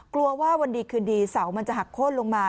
กลัวว่าวันดีคืนดีเสามันจะหักโค้นลงมา